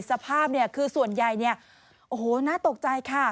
สภาพคือส่วนใหญ่นี่โอ้โฮน่าตกใจค่ะ